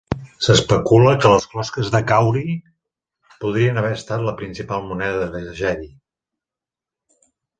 S'especula que les closques de cauri podrien haver estat la principal moneda de Gedi.